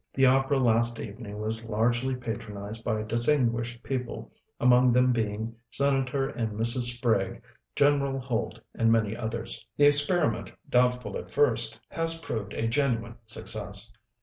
"The opera last evening was largely patronized by distinguished people, among them being Senator and Mrs. Sprague, Gen. Holt, and many others. "The experiment, doubtful at first, has proved a genuine success."